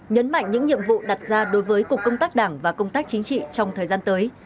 nhấn mạnh những nhiệm vụ đặt ra đối với cục công tác đảng và công tác chính trị trong thời gian tới